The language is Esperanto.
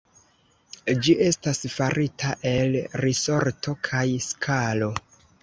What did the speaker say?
Ĝi estas farita el risorto kaj skalo.